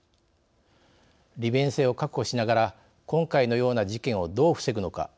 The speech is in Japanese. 利便性を確保しながら今回のような事件をどう防ぐのか。